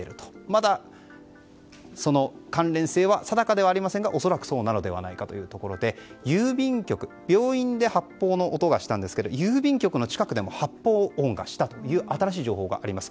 まだ、その関連性は定かではありませんが恐らくそうなのではないかというところで病院で発砲の音がしたんですけれども郵便局の近くでも発砲音がしたという新しい情報があります。